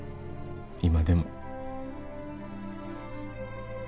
今でも。